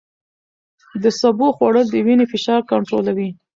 د سبو خوړل د وینې فشار کنټرولوي.